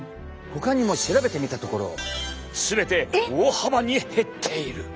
ほかにも調べてみたところ全て大幅に減っている！